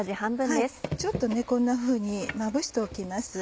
ちょっとこんなふうにまぶしておきます。